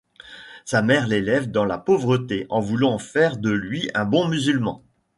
Sa mère l'élève dans la pauvreté en voulant faire de lui un bon musulman.